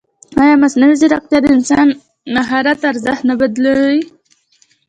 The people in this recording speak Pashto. ایا مصنوعي ځیرکتیا د انساني مهارت ارزښت نه بدلوي؟